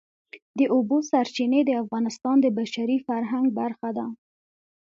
د اوبو سرچینې د افغانستان د بشري فرهنګ برخه ده.